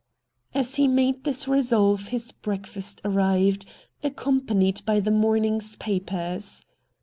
As he made this resolve his breakfast arrived, accompanied by the morning's papers.